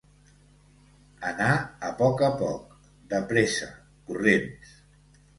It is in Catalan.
Anar a poc a poc, de pressa, corrents.